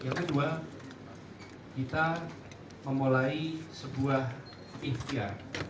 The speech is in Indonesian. yang kedua kita memulai sebuah ihtiar